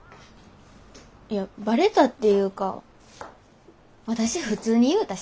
いやバレたっていうか私普通に言うたし。